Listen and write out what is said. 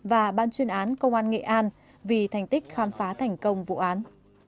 và ban chuyên án công an nghệ an vì thành tích khám phá thành công vụ án